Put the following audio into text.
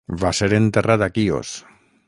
Va ser enterrat a Quios.